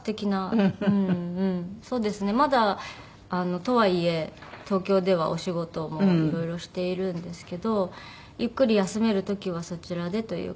そうですねまだとはいえ東京ではお仕事もいろいろしているんですけどゆっくり休める時はそちらでという感じには。